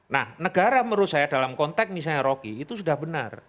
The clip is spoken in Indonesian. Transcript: nah negara menurut saya dalam konteks misalnya rocky itu sudah benar